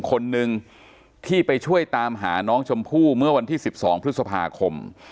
คนหนึ่งที่ไปช่วยตามหาน้องชมพู่เมื่อวันที่๑๒พฤษภาคม